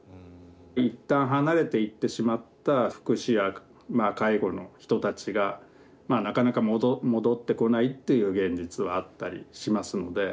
一旦離れていってしまった福祉や介護の人たちがなかなか戻ってこないっていう現実はあったりしますので。